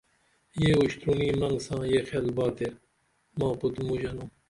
یے اُشترونی مرنگ ساں یے خیال باتے ما پُت مو ژنو